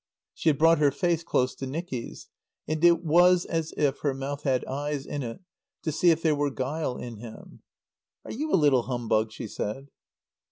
She had brought her face close to Nicky's; and it was as if her mouth had eyes in it to see if there were guile in him. "Are you a little humbug?" she said.